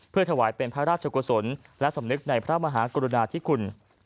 เพื่อถวายเป็นพระราชกุศลและสำนึกในพระมหากรุณาธิคุณ